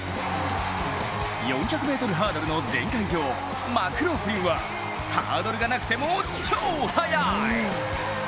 ４００ｍハードルの前回女王マクローフリンはハードルがなくても超速い！